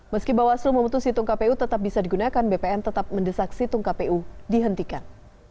meski bawaslu memutus situng kpu tetap bisa digunakan bpn tetap mendesak situng kpu dihentikan